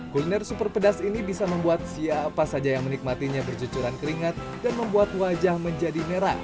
kuliner super pedas ini bisa membuat siapa saja yang menikmatinya bercucuran keringat dan membuat wajah menjadi merah